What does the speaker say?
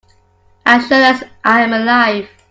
As sure as I am alive.